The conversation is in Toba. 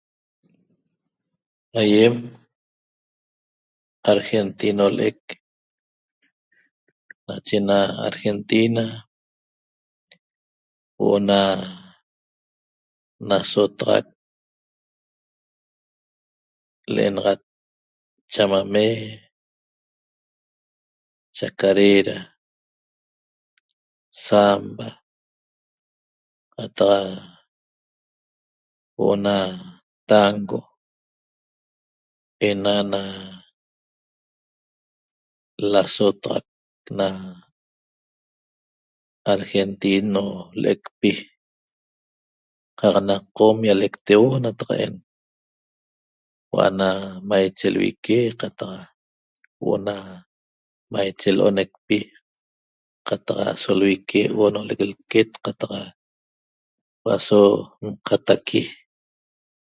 Aiem argentino le'ec nache na Argentina huo'o na nasotaxac le'enaxat chamamè, chacarera, zamba qataq huo'o na tango ena na lasotaxac na argentino le'ecpi qaq na qom ialecteuo nataqaen huo'o ana maiche lvique qataq huo'o ana maiche lo'onecpi qataq aso lvique oonolec lquet qataq aso nqataqui